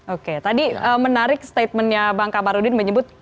oke tadi menarik statementnya bang kamarudin menyebut